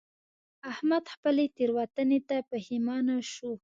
احمد خپلې تېروتنې ته پښېمانه شو.